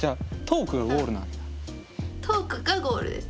トークがゴールです。